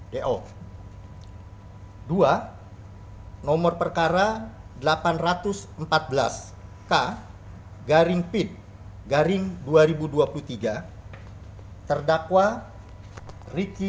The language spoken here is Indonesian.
nomor dua nomor perkara delapan ratus empat belas k garing pid garing dua ribu dua puluh tiga terdakwa ferdi sambo sh sik mh putusan pn pernah tidakwa ferdi sambo sh sik mh